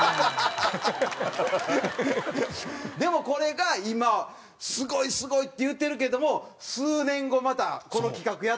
でもこれが今「すごいすごい」って言ってるけども数年後またこの企画やったらどうかわからんよね